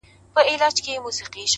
• دا پوښتنه له طبیب څخه کومه ,